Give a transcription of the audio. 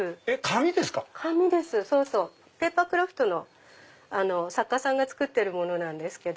紙ですか⁉ペーパークラフトの作家さんが作ってるものなんです。